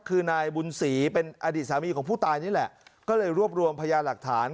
คือนายบุญศรีเป็นอดีตสามีของผู้ตายนี่แหละก็เลยรวบรวมพยาหลักฐาน